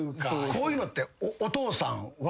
こういうのって。